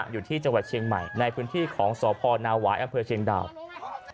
อยู่ที่จังหวัดเชียงใหม่ในพื้นที่ของสพนาหวายอำเภอเชียงดาว